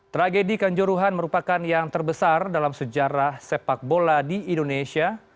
tragedi kanjuruhan merupakan yang terbesar dalam sejarah sepak bola di indonesia